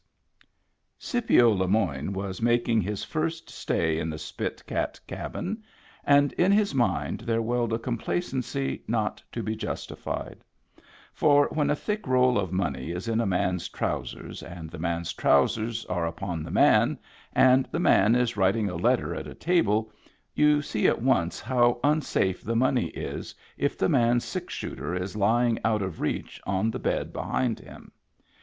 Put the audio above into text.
Digitized by Google 70 MEMBERS OF THE FAMILY Scipio Le Moyne was making his first stay in the Spit Cat cabin, and in his mind there welled a complacency not to be justified; for when a thick roll of money is in a man's trousers, and the man's trousers are upon the man, and the man is writing a letter at a table, you see at once how unsafe the money is if the man's six shooter is lying out of reach on the bed behind him.